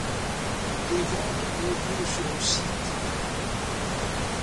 Les ventes ont lieu sur le site.